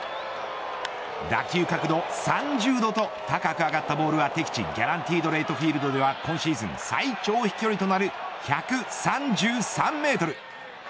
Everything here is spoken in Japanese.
打球角度３０度と高く上がったボールは敵地ギャランティード・レート・フィールドでは今シーズン最長飛距離となる１３３メートル。